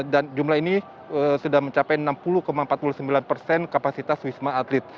dan jumlah ini sudah mencapai enam puluh empat puluh sembilan persen kapasitas wisma atlet